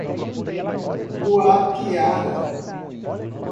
Guapiara